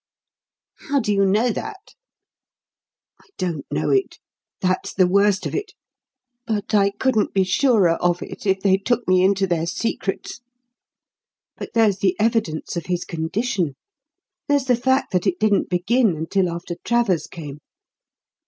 "How do you know that?" "I don't know it that's the worst of it. But I couldn't be surer of it if they took me into their secrets. But there's the evidence of his condition; there's the fact that it didn't begin until after Travers came.